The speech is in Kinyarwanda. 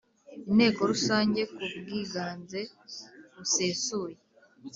Inteko Rusange ku bwiganze busesuye